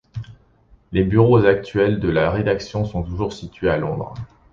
Les bureaux actuels de la rédaction sont toujours situés à Londres.